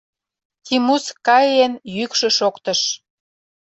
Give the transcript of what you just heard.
— Тимуск Кӓиэн йӱкшӧ шоктыш.